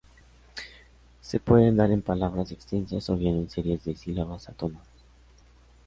Se puede dar en palabras extensas o bien en series de sílabas átonas.